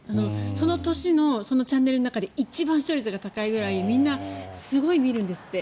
その年のそのチャンネルの中で一番視聴率が高いぐらいみんなすごい見るんですって。